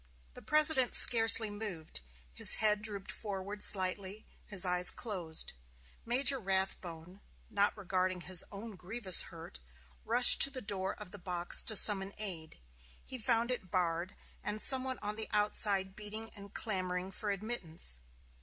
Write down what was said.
The President scarcely moved; his head drooped forward slightly, his eyes closed. Major Rathbone, not regarding his own grievous hurt, rushed to the door of the box to summon aid. He found it barred, and some one on the outside beating and clamoring for admittance.